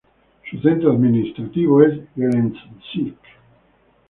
Su centro administrativo es Gelendzhik.